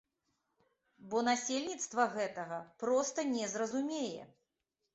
Бо насельніцтва гэтага проста не зразумее.